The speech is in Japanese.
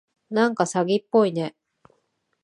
なんか詐欺っぽいね。